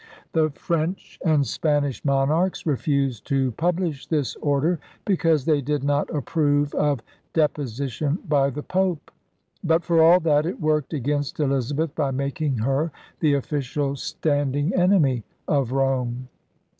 The French DRAKE'S BEGINNING 101 and Spanish monarchs refused to publish this order because they did not approve of deposition by the Pope. But, for all that, it worked against Elizabeth by making her the oflScial standing enemy of Rome.